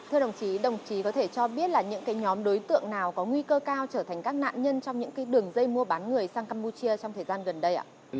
thưa đồng chí đồng chí có thể cho biết là những nhóm đối tượng nào có nguy cơ cao trở thành các nạn nhân trong những đường dây mua bán người sang campuchia trong thời gian gần đây ạ